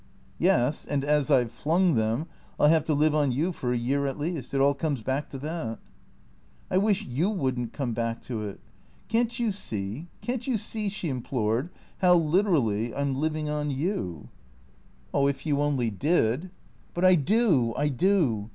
" Yes, and as I 've flung them, I '11 have to live on you for a year at least. It all comes back to that." " I wish you would n't come back to it. Can't you see, can't you see," she implored, "how, literally, I 'm living on you? " 426 THE CHEAT ORS " If you only did !"" But I do, I do.